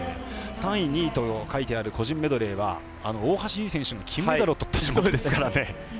３位、２位と書いてある個人メドレーは大橋悠依選手も金メダルをとった種目ですから。